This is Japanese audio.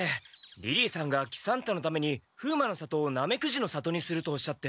リリーさんが喜三太のために風魔の里をナメクジの里にするとおっしゃって。